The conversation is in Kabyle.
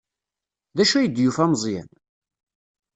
D acu ay d-yufa Meẓyan?